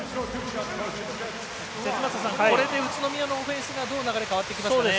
これで宇都宮のオフェンスがどう流れが変わってきますかね。